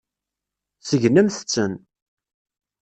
Segnemt-ten.